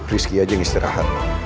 rizky aja yang istirahat